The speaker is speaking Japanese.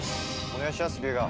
お願いします龍我。